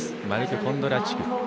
マルク・コンドラチュク。